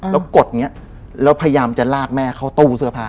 แล้วกดอย่างนี้แล้วพยายามจะลากแม่เข้าตู้เสื้อผ้า